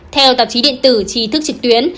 theo tạp chí điện tử tri thức trực tuyến